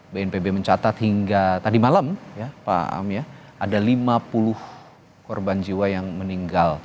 bnpb mencatat hingga tadi malam ya pak am ya ada lima puluh korban jiwa yang meninggal